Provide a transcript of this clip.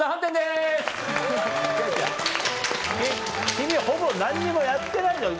君ほぼ何にもやってないじゃん。